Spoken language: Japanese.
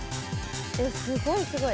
えっすごいすごい。